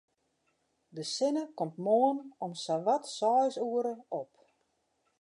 De sinne komt moarn om sawat seis oere op.